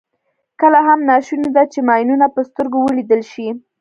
کله هم ناشونې ده چې ماینونه په سترګو ولیدل شي.